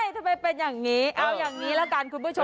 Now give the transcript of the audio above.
ทำไมเป็นอย่างนี้เอาอย่างนี้ละกันคุณผู้ชม